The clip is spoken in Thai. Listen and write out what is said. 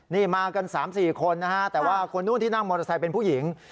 นี่มากัน๓๔คนนะฮะแต่ว่าคนนู้นที่นั่งมอเตอร์ไซค์เป็นผู้หญิง